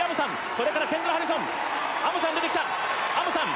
それからケンドラ・ハリソンアムサン出てきたアムサン